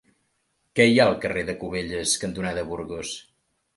Què hi ha al carrer Cubelles cantonada Burgos?